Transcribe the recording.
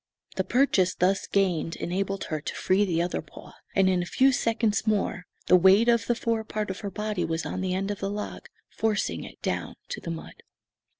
The purchase thus gained enabled her to free the other paw and in a few seconds more the weight of the fore part of her body was on the end of the log, forcing it down to the mud.